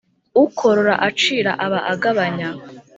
Ukorora acira aba agabanya.